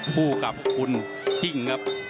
คู่กับคุณจิ้งครับ